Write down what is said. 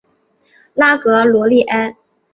拉格罗利埃。